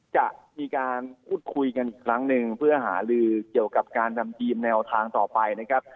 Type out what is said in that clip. จะมีการพูดคุยกันอีกครั้งหนึ่งเพื่อหาลือเกี่ยวกับการนำทีมแนวทางต่อไปนะครับ